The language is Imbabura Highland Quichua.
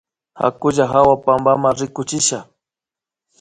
Hakulla hawa pampama rikuchisha